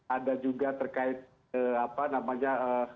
ada juga terkait apa namanya